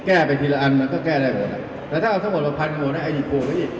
แก้ไปทีละอันมันก็แก้ได้หมดแต่ถ้าเอาสมมติว่าพันกว่านั้นไอ้นี่โปรกไอ้นี่